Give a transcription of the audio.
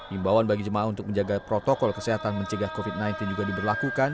imbauan bagi jemaah untuk menjaga protokol kesehatan mencegah covid sembilan belas juga diberlakukan